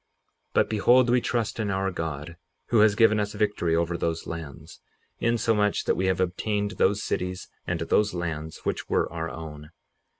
58:33 But behold, we trust in our God who has given us victory over those lands, insomuch that we have obtained those cities and those lands, which were our own.